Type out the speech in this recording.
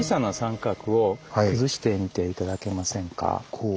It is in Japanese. こう。